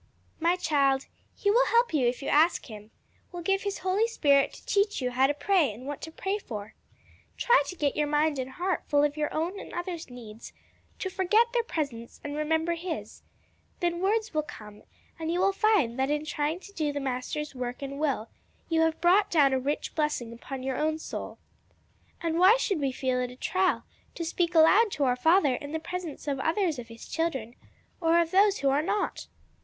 "My child, he will help you if you ask him; will give his Holy Spirit to teach you how to pray and what to pray for. Try to get your mind and heart full of your own and others' needs, to forget their presence and remember his: then words will come, and you will find that in trying to do the Master's work and will, you have brought down a rich blessing upon your own soul. And why should we feel it a trial to speak aloud to our Father in the presence of others of his children, or of those who are not?"